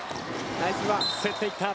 競っていった。